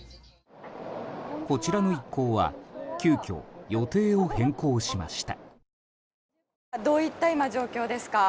こちらの一行は急遽、予定を変更しました。